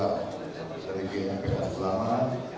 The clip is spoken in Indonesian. mengucapkan terima kasih kepada ijtima ii bersama gen pf ulama